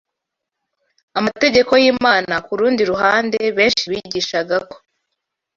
amategeko y’Imana Ku rundi ruhande, benshi bigishaga ko